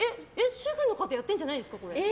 主婦の方やってるんじゃないですか？